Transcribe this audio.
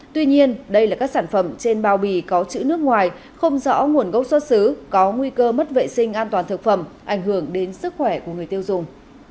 tuy nhiên đây là các sản phẩm trên bao bì có chữ nước ngoài không rõ nguồn gốc xuất xứ có nguy cơ mất vệ sinh an toàn thực phẩm ảnh hưởng đến sức khỏe của người tiêu dùng